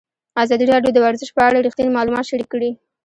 ازادي راډیو د ورزش په اړه رښتیني معلومات شریک کړي.